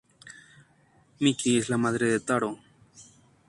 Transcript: Miki es la madre de Tarō.